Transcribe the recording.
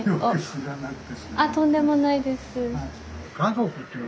あとんでもないです。